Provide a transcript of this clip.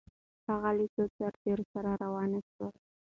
هغه له څو سرتیرو سره روان سو؟